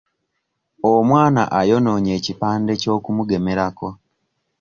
Omwana ayonoonye ekipande ky'okumugemerako.